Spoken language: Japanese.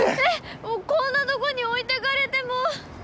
こんなとこに置いてかれても！